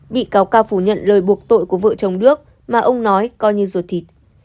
bị cáo cao phủ nhận lời buộc tội của vợ chồng đức mà ông nói coi như ruột thịt